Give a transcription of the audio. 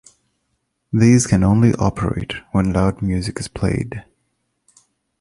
These can only operate when loud music is played.